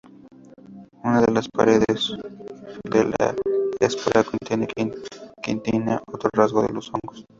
Una de las paredes de la espora contiene quitina, otro rasgo de los hongos.